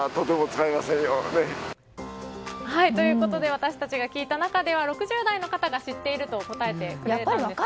私たちが聞いた中では６０代の方が知っていると答えてくださいました。